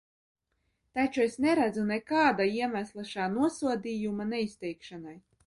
Taču es neredzu nekāda iemesla šā nosodījuma neizteikšanai.